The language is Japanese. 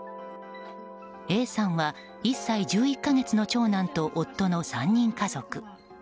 Ａさんは、１歳１１か月の長男と夫の３人家族。